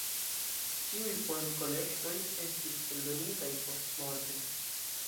Ĉiuj poem-kolektoj estis eldonitaj postmorte.